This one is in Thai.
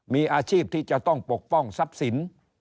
มีอาชีพที่จะต้องปกป้องทรัพย์สิน